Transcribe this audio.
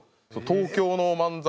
東京の漫才